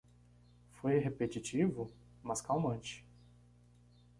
Foi repetitivo? mas calmante.